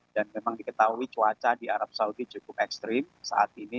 dan memang diketahui cuaca di arab saudi cukup ekstrim saat ini